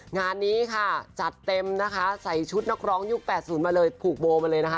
งานนี้ค่ะจัดเต็มนะคะใส่ชุดนักร้องยุค๘๐มาเลยผูกโบมาเลยนะคะ